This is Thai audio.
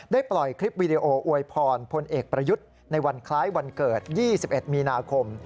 ปล่อยคลิปวีดีโออวยพรพลเอกประยุทธ์ในวันคล้ายวันเกิด๒๑มีนาคม